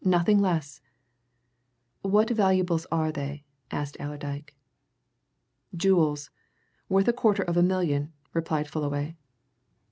"Nothing less!" "What valuables are they?" asked Allerdyke. "Jewels! Worth a quarter of a million," replied Fullaway.